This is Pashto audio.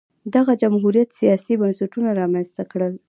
دغه جمهوریت سیاسي بنسټونه رامنځته کړل